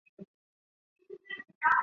中华人民共和国行政区重新区划。